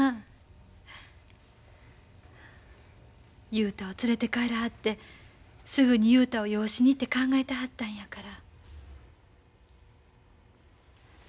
雄太を連れて帰らはってすぐに雄太を養子にって考えてはったんやから。